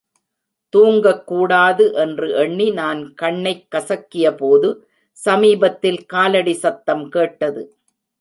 தூங்கக்கூடாது! என்று எண்ணி நான் கண்ணைக் கசக்கியபோது சமீபத்தில் காலடி சத்தம் கேட்டது.